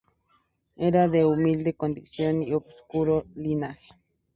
Era de humilde condición y obscuro linaje.